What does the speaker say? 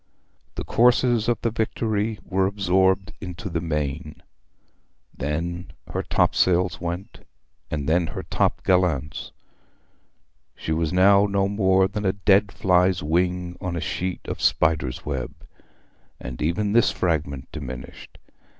The courses of the Victory were absorbed into the main, then her topsails went, and then her top gallants. She was now no more than a dead fly's wing on a sheet of spider's web; and even this fragment diminished.